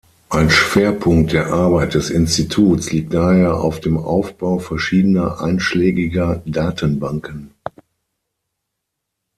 Ein Schwerpunkt der Arbeit des Instituts liegt daher auf dem Aufbau verschiedener einschlägiger Datenbanken.